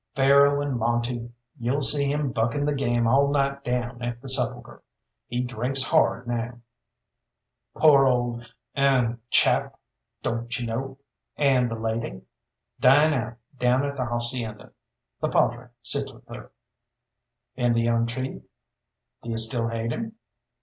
"Faro and monte you'll see him bucking the game all night down at the Sepulchre. He drinks hard now." "Pore old er chap, don't you know! And the lady?" "Dying out down at the Hacienda. The padre sits with her." "And the young chief?" "Do you still hate him?"